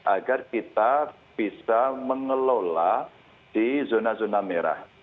agar kita bisa mengelola di zona zona merah